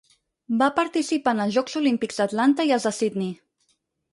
Va participar en els Jocs Olímpics d'Atlanta i als de Sydney.